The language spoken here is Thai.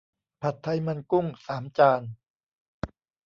ผัดไทยมันกุ้ง สามจาน